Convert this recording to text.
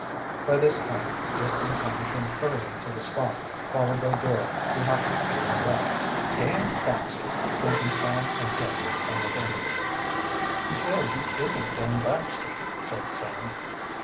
By this time Dick and Tom came hurrying to the spot, followed by Dora, who happened to be on deck. "Dan Baxter!" came from Tom and Dick simultaneously. "He says he isn't Dan Baxter," said Sam.